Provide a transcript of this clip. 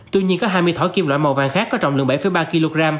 tuy nhiên có hai mươi thỏi kim loại màu vàng khác có trọng lượng bảy ba kg